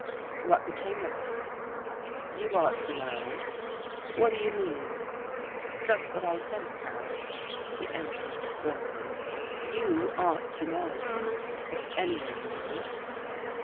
"What became of it?" "You ought to know." "What do you mean?" "Just what I say, Paret," he answered slowly. "You ought to know, if anyone knows."